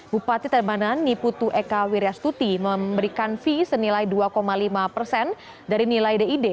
bupati tabanan niputu eka wiryastuti memberikan fee senilai dua lima persen dari nilai did